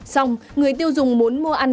xong người tiêu dùng muốn mua ăn